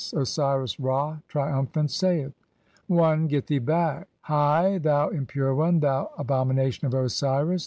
Osiris Ra, triumphant, saith :— I. "Get thee back, (2) Hai, thou impure one, thou abomina "tion of Osiris!